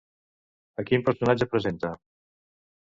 A quin personatge presenta?